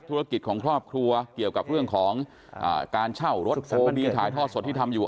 ธุรกิจของครอบครัวเกี่ยวกับเรื่องของการเช่ารถโฟลบีนถ่ายทอดสดที่ทำอยู่